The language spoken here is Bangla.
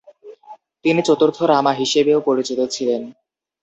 তিনি চতুর্থ রামা হিসেবেও পরিচিত ছিলেন।